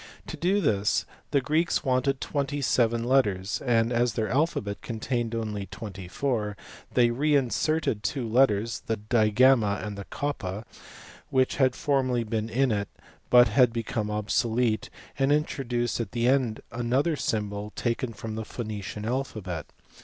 To do this the Greeks wanted 27 letters, and as hoir alphabet contained only 24, they re inserted two letters (the digamma and koppa) which had formerly been in it but had become obsolete, and introduced at the end another symbol taken from the Phoenician alphabet.